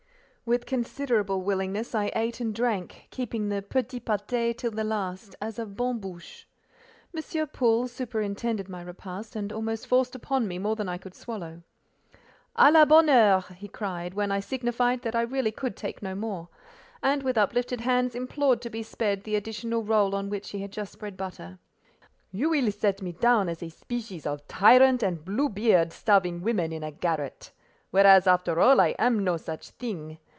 With considerable willingness I ate and drank, keeping the petit pâté till the last, as a bonne bouche. M. Paul superintended my repast, and almost forced upon me more than I could swallow. "A la bonne heure," he cried, when I signified that I really could take no more, and, with uplifted hands, implored to be spared the additional roll on which he had just spread butter. "You will set me down as a species of tyrant and Bluebeard, starving women in a garret; whereas, after all, I am no such thing.